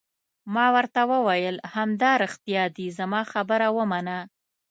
ما ورته وویل: همدارښتیا دي، زما خبره ومنه.